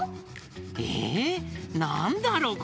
えなんだろう？